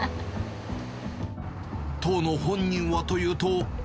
当の本人はというと。